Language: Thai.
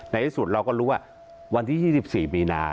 ในที่สุดเราก็รู้ว่าวันที่๒๔มีนา